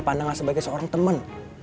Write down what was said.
pandangan sebagai seorang temen